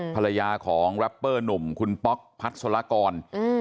ภรรยาของแรปเปอร์หนุ่มคุณป๊อกพัสลากร